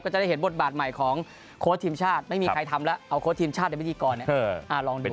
จะได้เห็นบทบาทใหม่ของโค้ชทีมชาติไม่มีใครทำแล้วเอาโค้ชทีมชาติในพิธีกรลองดู